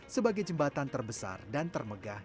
sebagai jembatan terbesar dan termegah